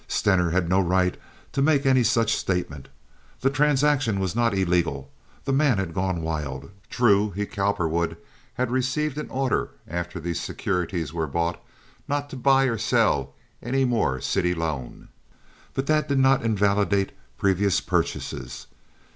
Stener had no right to make any such statement. The transaction was not illegal. The man had gone wild. True, he, Cowperwood, had received an order after these securities were bought not to buy or sell any more city loan, but that did not invalidate previous purchases.